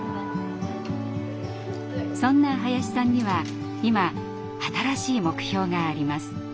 そんな林さんには今新しい目標があります。